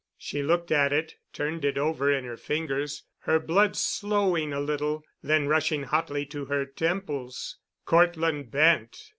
She looked at it, turned it over in her fingers, her blood slowing a little, then rushing hotly to her temples. Cortland Bent!